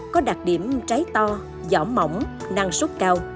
có đặc điểm trái to giỏ mỏng năng suất cao